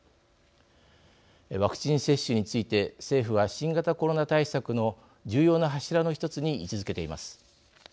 ワクチン接種について政府は新型コロナ対策の重要な柱のひとつに位置づけています。